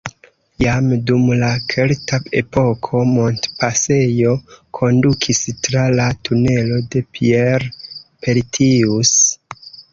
Jam dum la kelta epoko montpasejo kondukis tra la tunelo de Pierre-Pertius.